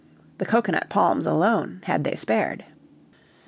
The cocoanut palms alone had they spared.